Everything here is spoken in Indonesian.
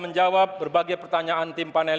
membawa pengetahuan dan jaringan